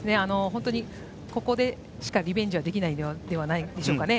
ここでしかリベンジはできないんじゃないでしょうか。